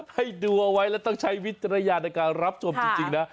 ให้ดูเอาไว้แล้วต้องใช้วิจารณญาณในการรับชมจริงนะ